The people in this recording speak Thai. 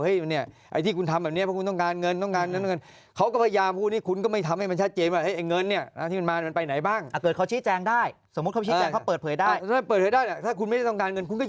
ไอ้ที่คุณทำแบบนี้ว่าเพราะคุณต้องการเงิน